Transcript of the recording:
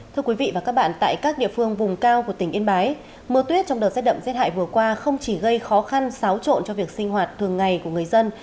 thưa quý vị và các bạn tại các địa phương vùng cao của tỉnh yên bái mưa tuyết trong đợt rét đậm rét hại vừa qua không chỉ gây khó khăn xáo trộn cho việc sinh hoạt thường ngày của người dân